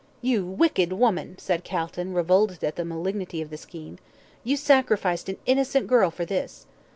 '" "You wicked woman," said Calton, revolted at the malignity of the scheme. "You sacrificed an innocent girl for this."